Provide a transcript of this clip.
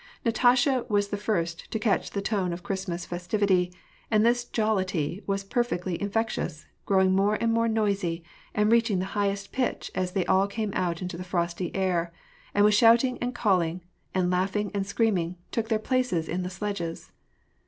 Natasha was the first to catch the tone of Christmas festiv ity, and this jollity was perfectly infectious, growing more and more noisy, and reaching the hignest pitch as they all came out into the frosty air, and with shouting and calling, and laugh ing and screaming, took their places in the sledges.